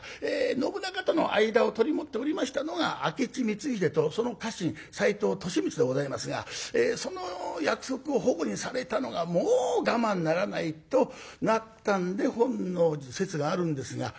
信長との間を取り持っておりましたのが明智光秀とその家臣斎藤利三でございますがその約束を反古にされたのがもう我慢ならないとなったんで本能寺説があるんですが。